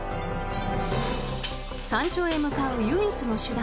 山頂へ向かう唯一の手段